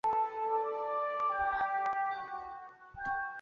该湖的沉积物主要是芒硝。